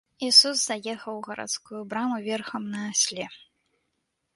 Ісус заехаў у гарадскую браму верхам на асле.